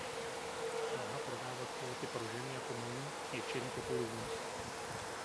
Snaha prodávat kvóty pro ženy jako milník je čirý populismus.